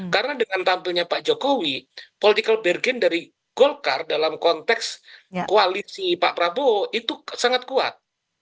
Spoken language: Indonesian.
karena dengan tampilnya pak jokowi political bergen dari golkar dalam konteks koalisi pak prabowo itu sangat kuat